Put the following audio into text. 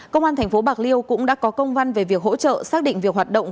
công an tp bạc liêu cũng đã có công văn về việc hỗ trợ xác định việc hoạt động